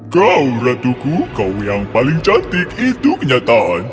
kau ratuku kau yang paling cantik itu kenyataan